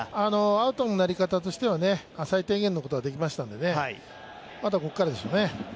アウトのなり方としては最低限のことはできましたからまたここからでしょうね。